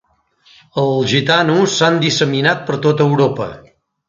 Els gitanos s'han disseminat per tot Europa.